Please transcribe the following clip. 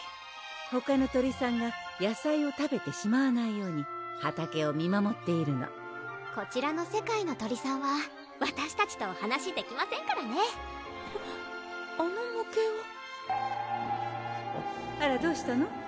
ほかの鳥さんが野菜を食べてしまわないように畑を見守っているのこちらの世界の鳥さんはわたしたちとお話できませんからねあの模型はあらどうしたの？